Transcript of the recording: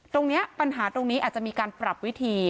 ตรงนี้ปัญหาตรงนี้อาจจะมีการปรับวิธี